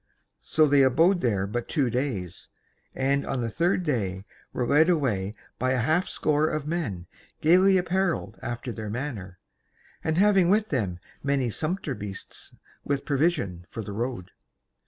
So they abode there but two days, and on the third day were led away by a half score of men gaily apparelled after their manner, and having with them many sumpter beasts with provision for the road.